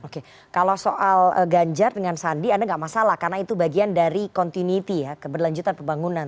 oke kalau soal ganjar dengan sandi anda nggak masalah karena itu bagian dari continuity ya keberlanjutan pembangunan